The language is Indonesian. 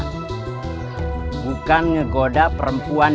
ini untuk ketidak semangat